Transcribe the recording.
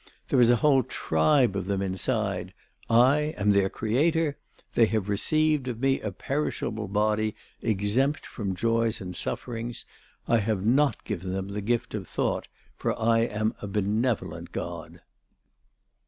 There is a whole tribe of them inside; I am their creator; they have received of me a perishable body, exempt from joys and sufferings. I have not given them the gift of thought, for I am a benevolent God."